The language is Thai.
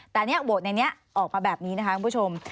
แต่เนี่ยโหวตในนี้ออกมาแบบนี้นะคะคุณผู้ชม